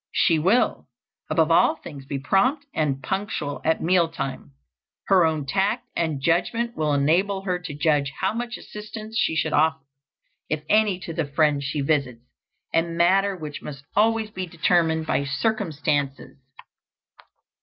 She will, above all things, be prompt and punctual at meal time. Her own tact and judgment will enable her to judge how much assistance she should offer, if any, to the friends she visits a matter which must always be determined by circumstances.